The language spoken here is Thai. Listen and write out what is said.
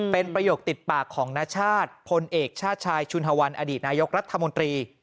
เป็นประโยคติดปากของนชาติพลเอกชาติชายชุนฮวันอดีตนายกรัฐมนตรี